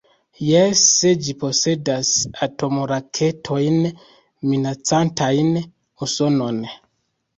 Jes, se ĝi posedas atomraketojn minacantajn Usonon.